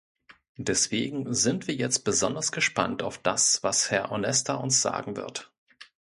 Deswegen sind wir jetzt besonders gespannt auf das, was Herr Onesta uns sagen wird.